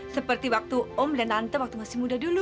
seperti waktu om dan tante waktu masih muda dulu